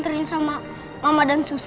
jadi kalau daya mak trus